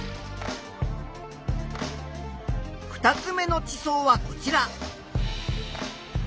２つ目の地層はこちら。